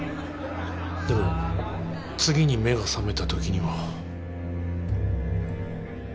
でも次に目が覚めたときには。